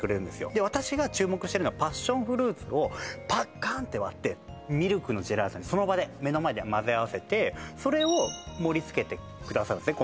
で私が注目してるのはパッションフルーツをパッカンって割ってミルクのジェラートにその場で目の前でまぜ合わせてそれを盛りつけてくださるんですね